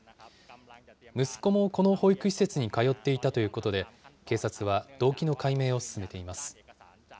息子もこの保育施設に通っていたということで、警察は動機の解明を進めています。